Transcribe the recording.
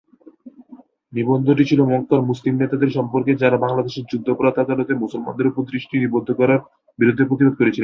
নিবন্ধটি ছিল মক্কার মুসলিম নেতাদের সম্পর্কে যারা বাংলাদেশের যুদ্ধাপরাধ আদালতে মুসলমানদের উপর দৃষ্টি নিবদ্ধ করার বিরুদ্ধে প্রতিবাদ করেছিলেন।